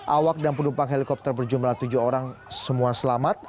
awak dan penumpang helikopter berjumlah tujuh orang semua selamat